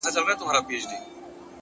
اوس مي د هغي دنيا ميـر ويـــده دی،